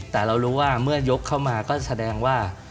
แต่เรารู้ว่าเมื่อยกเข้ามาก็แสดงว่า